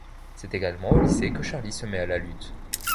C'est également au lycée que Charlie se met à la lutte.